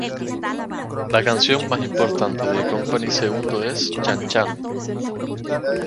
La canción más importante de Compay Segundo es "Chan Chan"